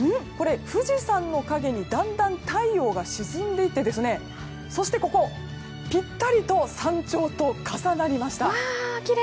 富士山の陰にだんだん太陽が沈んでいってそして、ぴったりと山頂と重なりました。